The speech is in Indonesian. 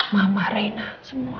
mama reina semua